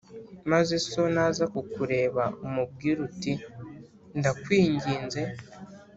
maze so naza kukureba umubwire uti ‘Ndakwinginze